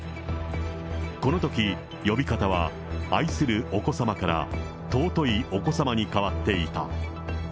このとき、呼び方は愛するお子様から尊いお子様に変わっていた。